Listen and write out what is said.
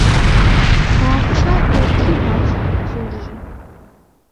დარჩა ერთი ვაჟი, ჟორჟი.